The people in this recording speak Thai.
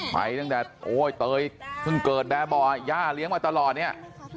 ไปตั้งแต่โอ๊ยเตยเพิ่งเกิดแบบบ่อยย่าเลี้ยงมาตลอดเนี่ย